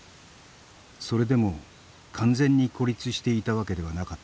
それでも完全に孤立していたわけではなかった。